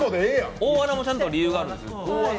大穴もちゃんと理由があるんです。